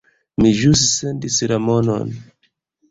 Mi ĵus sendis la monon